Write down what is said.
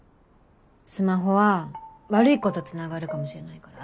スマホは悪い子とつながるかもしれないから危ないんだって。